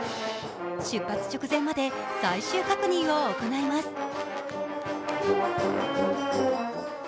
出発直前まで最終確認を行います。